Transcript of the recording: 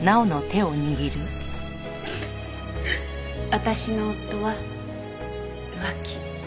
私の夫は浮気。